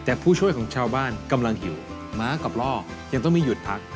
แต่ผู้ช่วยของชาวบ้านกำลังหิวม้ากับล่อยังต้องไม่หยุดพัก